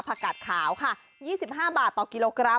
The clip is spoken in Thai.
กัดขาวค่ะ๒๕บาทต่อกิโลกรัม